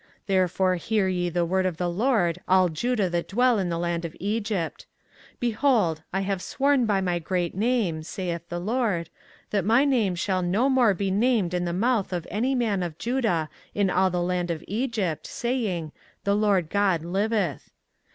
24:044:026 Therefore hear ye the word of the LORD, all Judah that dwell in the land of Egypt; Behold, I have sworn by my great name, saith the LORD, that my name shall no more be named in the mouth of any man of Judah in all the land of Egypt, saying, The Lord GOD liveth.